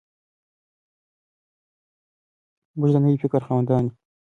موږ د نوي فکر خاوندان یو.